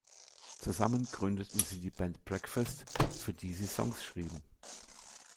Zusammen gründeten sie die Band „Breakfast“, für die sie Songs schrieben.